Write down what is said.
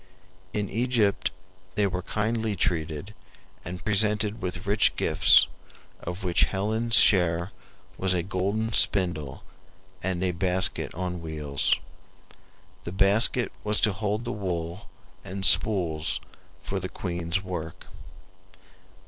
In Egypt they were kindly treated and presented with rich gifts, of which Helen's share was a golden spindle and a basket on wheels. The basket was to hold the wool and spools for the queen's work.